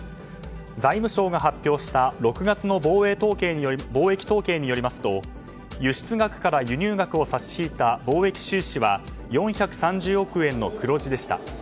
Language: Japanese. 財務省が発表した６月の貿易統計によりますと輸出額から輸入額を差し引いた貿易収支は４３０億円の黒字でした。